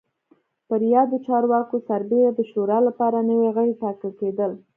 پر یادو چارواکو سربېره د شورا لپاره نوي غړي ټاکل کېدل